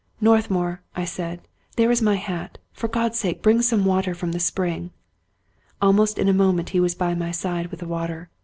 " Northmour," I said, " there is my hat. For God's sake bring some water from the spring." Almost in a moment he was by my side with the water.